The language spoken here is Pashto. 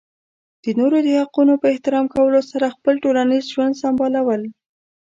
د نورو د حقونو په احترام کولو سره خپل ټولنیز ژوند سمبالول.